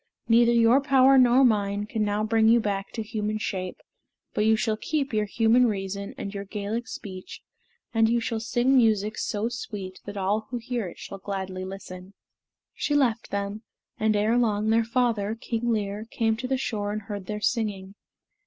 Neither your power nor mine can now bring you back to human shape; but you shall keep your human reason and your Gaelic speech, and you shall sing music so sweet that all who hear it shall gladly listen." She left them, and ere long their father, King Lir, came to the shore and heard their singing.